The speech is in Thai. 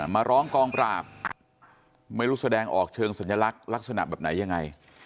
มาร้องกองปราบไม่รู้แสดงออกเชิงสัญลักษณ์ลักษณะแบบไหนยังไง